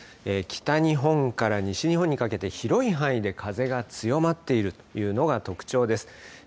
北日本から西日本にかけて、広い範囲で風が強まっているというのが特徴です。